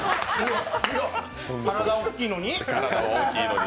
体は大きいのに。